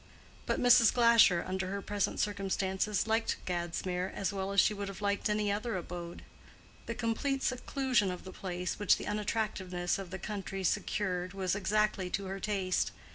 But Mrs. Glasher, under her present circumstances, liked Gadsmere as well as she would have liked any other abode. The complete seclusion of the place, which the unattractiveness of the country secured, was exactly to her taste.